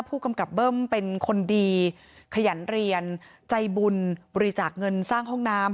ผู้กำกับเบิ้มเป็นคนดีขยันเรียนใจบุญบริจาคเงินสร้างห้องน้ำ